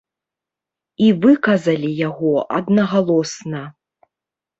І выказалі яго аднагалосна.